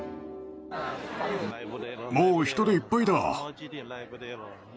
もう人でいっぱいだ。